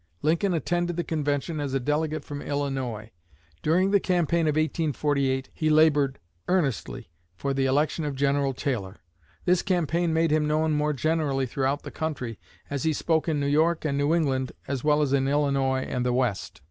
Lincoln attended the Convention as a delegate from Illinois. During the campaign of 1848 he labored earnestly for the election of General Taylor. This campaign made him known more generally throughout the country, as he spoke in New York and New England as well as in Illinois and the West.